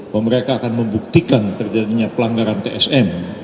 bahwa mereka akan membuktikan terjadinya pelanggaran tsm